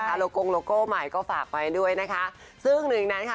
โลโกงโลโก้ใหม่ก็ฝากไปด้วยนะคะซึ่งหนึ่งนั้นค่ะ